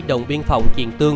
đồng viên phòng triền tương